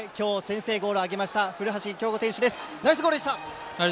続きまして今日、先制ゴールを挙げました古橋亨梧選手です。